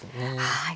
はい。